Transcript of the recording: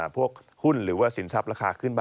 พวกหุ้นหรือว่าสินทรัพย์ราคาขึ้นบาท